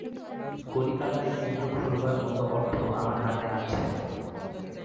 কলিকাতায় কেন্দ্র খোলবার মত অর্থ আমার হাতে আছে।